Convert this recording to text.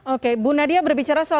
oke bu nadia berbicara soal